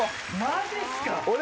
マジっすか？